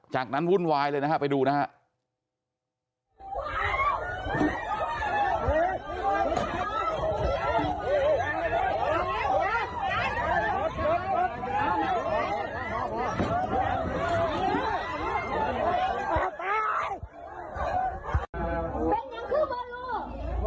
จากนั้นวุ่นวายเลยนะครับไปดูนะครับ